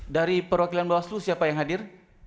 dari perwakilan bawaslu siapa yang hadir